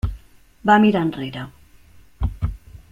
Va mirar enrere.